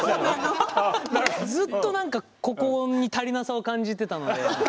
ずっと何かここに足りなさを感じてたので。